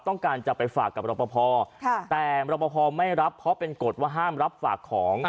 ต้องการจะไปฝากกับรอปภแต่รบพอไม่รับเพราะเป็นกฎว่าห้ามรับฝากของ